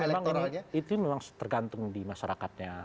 tapi memang ini itu memang tergantung di masyarakatnya